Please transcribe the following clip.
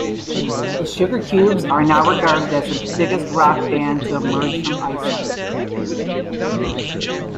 The Sugarcubes are now regarded as the biggest rock band to emerge from Iceland.